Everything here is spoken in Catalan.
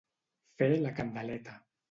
Fer la candeleta.